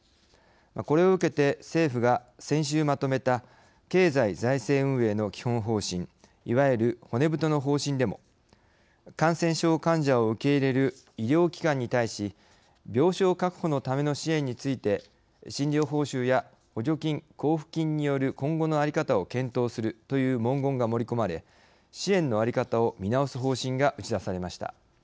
これを受けて政府が先週まとめた経済財政運営の基本方針いわゆる骨太の方針でも感染症患者を受け入れる医療機関に対し病床確保のための支援について診療報酬や補助金・交付金による今後の在り方を検討するという文言が盛り込まれ支援の在り方を見直す方針が打ち出されました。